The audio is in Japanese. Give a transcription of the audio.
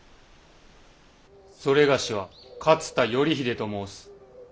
それがしは勝田頼秀と申す。